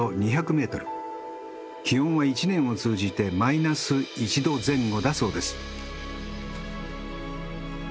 気温は一年を通じてマイナス１度前後だそうです。